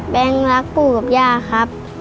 รักปู่กับย่าครับ